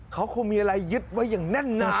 เขาคงมีอะไรยึดไว้อย่างแน่นนะ